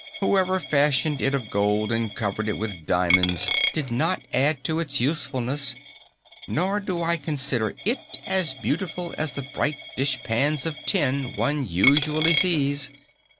Whoever fashioned it of gold and covered it with diamonds did not add to its usefulness, nor do I consider it as beautiful as the bright dishpans of tin one usually sees.